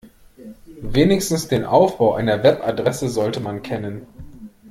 Wenigstens den Aufbau einer Webadresse sollte man kennen.